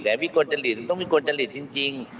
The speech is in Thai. แต่วิกลจริตต้องวิกลจริตจริง